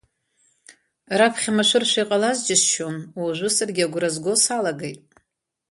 Раԥхьа машәыршәа иҟалаз џьысшьон, уажәы саргьы агәра зго салагеит…